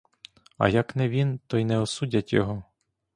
А як не він, то й не осудять його.